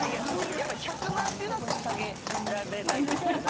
やっぱ１００万っていうのは下げられないっていう事ですよね？